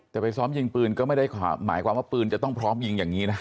แต่ไปซ้อมยิงปืนก็ไม่ได้หมายความว่าปืนจะต้องพร้อมยิงอย่างนี้นะ